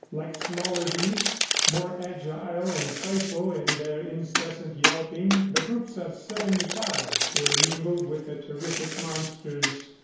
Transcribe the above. Like smaller beasts, more agile and playful in their incessant yelping, the groups of '75 were mingled with the terrific monsters.